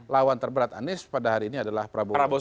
lawan terberat anies pada hari ini adalah prabowo